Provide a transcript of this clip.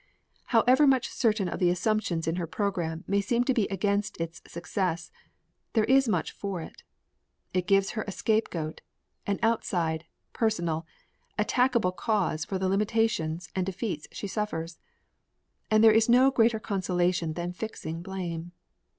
However much certain of the assumptions in her program may seem to be against its success, there is much for it. It gives her a scapegoat an outside, personal, attackable cause for the limitations and defeats she suffers. And there is no greater consolation than fixing blame.